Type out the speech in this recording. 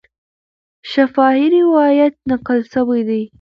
شفاهي روایت نقل سوی دی.